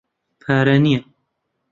پارە نییە.